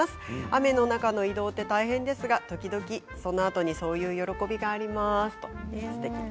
雨の中の移動は大変ですが時々そのあとにそういう喜びがあります。